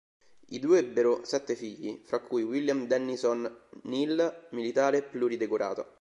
I due ebbero sette figli, fra cui William Dennison Neil, militare pluridecorato.